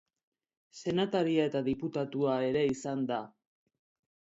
Senataria eta diputatua ere izan da.